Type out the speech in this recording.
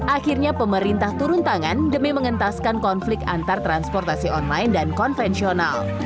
akhirnya pemerintah turun tangan demi mengentaskan konflik antar transportasi online dan konvensional